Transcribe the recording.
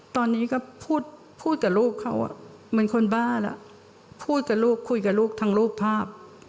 ตอนนี้ก็พูดกับลูกเขาเหมือนคนบ้าแล้วพูดกับลูกคุยกับลูกทั้งรูปภาพ